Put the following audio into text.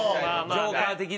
ジョーカー的な。